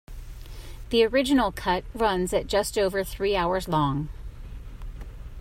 The original cut runs at just over three hours long.